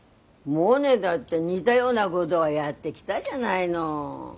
モネだって似だようなごどはやってきたじゃないの。